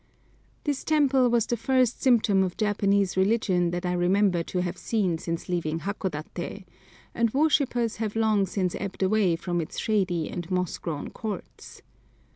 This temple was the first symptom of Japanese religion that I remember to have seen since leaving Hakodaté, and worshippers have long since ebbed away from its shady and moss grown courts.